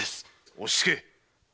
落ち着け！